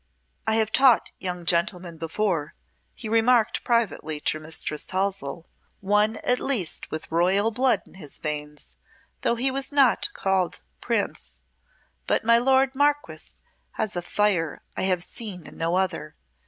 "I have taught young gentlemen before," he remarked privately to Mistress Halsell "one at least with royal blood in his veins, though he was not called prince but my lord Marquess has a fire I have seen in no other.